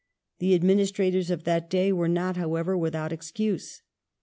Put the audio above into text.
The administrators of that day were not, however, without excuse.